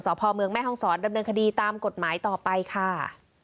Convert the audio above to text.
พ่อเมืองแม่ห้องศรดำเนินคดีตามกฎหมายต่อไปค่ะ